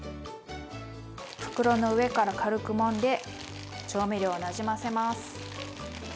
袋の上から軽くもんで調味料をなじませます。